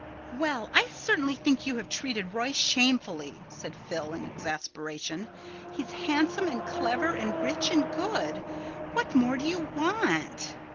"Well, I certainly think you have treated Roy shamefully," said Phil in exasperation. "He's handsome and clever and rich and good. What more do you want?"